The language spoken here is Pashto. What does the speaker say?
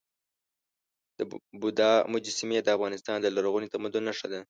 د بودا مجسمې د افغانستان د لرغوني تمدن نښه ده.